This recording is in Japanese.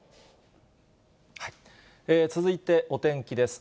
続いてお天気です。